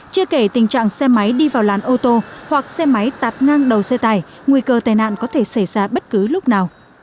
chưa kể tình trạng xe máy đi vào làn ô tô hoặc xe máy tạt ngang đầu xe tải nguy cơ tai nạn có thể xảy ra bất cứ lúc nào